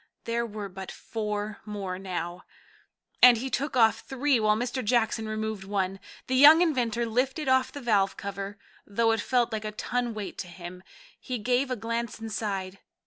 There were but four more now, and he took off three while Mr. Jackson removed one. The young inventor lifted off the valve cover, though it felt like a ton weight to him. He gave a glance inside.